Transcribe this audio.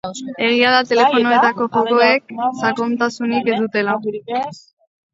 Egia da telefonoetako jokoek sakontasunik ez dutela.